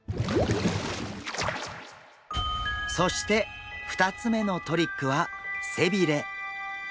そして２つ目のトリックは背びれ。